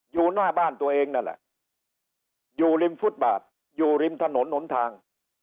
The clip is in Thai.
อยู่หน้าบ้านตัวเองนั่นแหละอยู่ริมฟุตบาทอยู่ริมถนนหนทาง